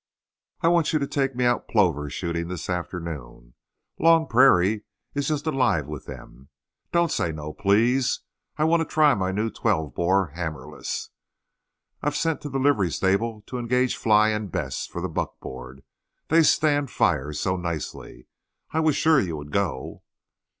I want you to take me out plover shooting this afternoon. Long Prairie is just alive with them. Don't say no, please! I want to try my new twelve bore hammerless. I've sent to the livery stable to engage Fly and Bess for the buckboard; they stand fire so nicely. I was sure you would go."